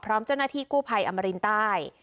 พร้อมเจ้าหน้าที่กู้ภัยอมรินใต้